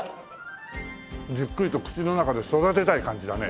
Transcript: じっくりと口の中で育てたい感じだね。